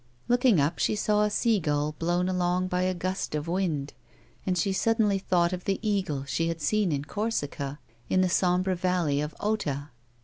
Looking up she saw a seagull blown along by a gust of wind, and she suddenly thought of the eagle she had seen in Corsica in the sombre valley of Ota.